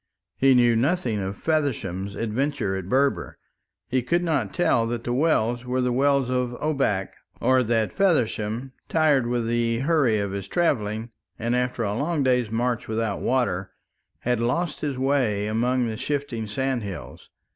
He knew nothing of Feversham's adventure at Berber; he could not tell that the wells were the Wells of Obak, or that Feversham, tired with the hurry of his travelling, and after a long day's march without water, had lost his way among the shifting sandhills.